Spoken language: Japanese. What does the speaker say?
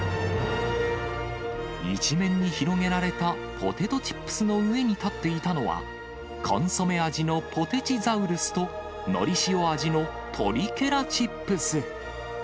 一面に広げられたポテトチップスの上に立っていたのは、コンソメ味のポテチザウルスと、のりしお味のトリケラチップス。